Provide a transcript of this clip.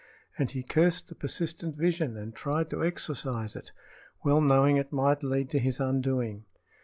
And he cursed the persistent vision and tried to exorcise it, well knowing it might lead to his undoing.